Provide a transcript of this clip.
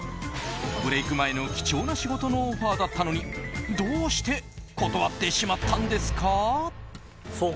ブレーク前の貴重な仕事のオファーだったのにどうして断ってしまったんですか？